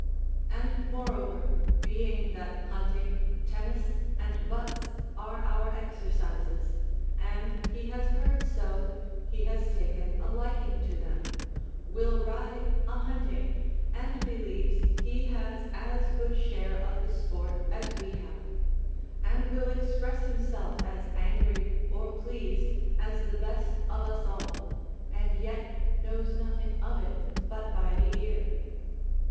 And moreover, being that hunting, tennis, and butts are our exercises, and he has heard so, he has taken a liking to them, will ride a hunting, and believes he has as good share of the sport as we have; and will express himself as angry or pleased as the best of us all, and yet knows nothing of it but by the ear.